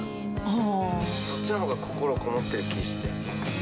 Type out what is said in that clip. あぁそっちの方が心こもってる気して